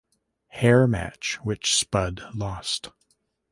Hair match, which Spud lost.